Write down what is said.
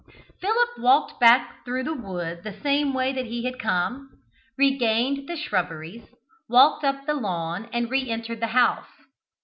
Philip walked back through the wood the same way that he had come, regained the shrubberies, walked up the lawn and re entered the house.